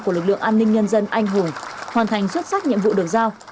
của lực lượng an ninh nhân dân anh hùng hoàn thành xuất sắc nhiệm vụ được giao